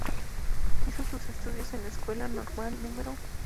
Hizo sus estudios en la Escuela Normal No.